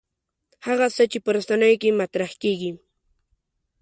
هغه څه چې په رسنیو کې مطرح کېږي.